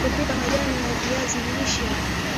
jinsi ya kupika majani ya viazi lishe